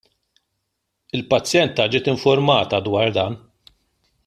Il-pazjenta ġiet infurmata dwar dan.